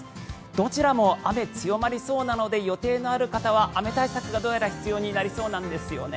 どちらも雨、強まりそうなので予定のある方は雨対策がどうやら必要になりそうなんですよね。